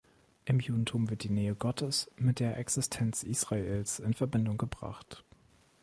Im Judentum wird die Nähe Gottes mit der Existenz Israels in Verbindung gebracht.